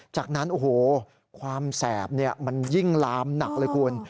จากนั้นโอ้โหความแสบมันยิ่งลามหนักเลยคุณ